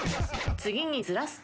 次にずらすと？